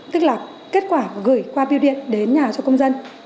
tức là kết quả gửi qua biêu điện đến nhà cho công dân